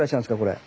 これ。